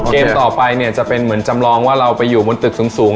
เกมต่อไปเนี่ยจะเป็นเหมือนจำลองว่าเราไปอยู่บนตึกสูง